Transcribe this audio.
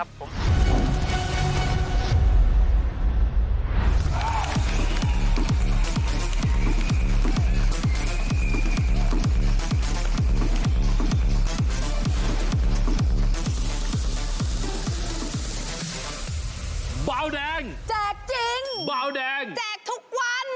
บาวแดงแจกทุกวัน